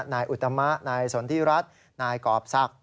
นายอุตมะนายสนธิรัตินายกอบซัก